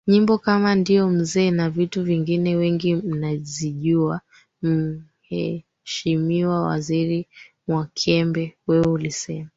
nyimbo kama Ndio Mzee na vitu vingine wengi mnazijua Mheshimiwa Waziri Mwakyembe wewe ulisema